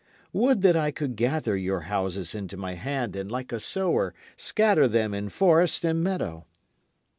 Would that I could gather your houses into my hand, and like a sower scatter them in forest and meadow.